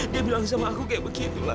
dia bilang sama aku kayak begitulah